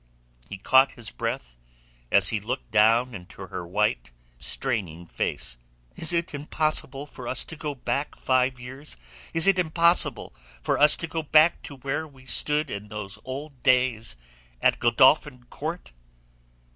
He caught his breath as he looked down into her white, straining face "Is it impossible for us to go back five years? Is it impossible for us to go back to where we stood in those old days at Godolphin Court?"